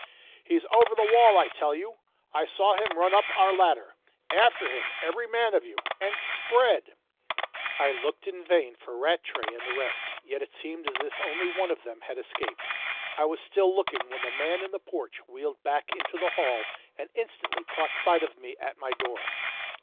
"He's over the wall, I tell you! I saw him run up our ladder. After him every man of you and spread!" I looked in vain for Rattray and the rest; yet it seemed as if only one of them had escaped. I was still looking when the man in the porch wheeled back into the hall, and instantly caught sight of me at my door.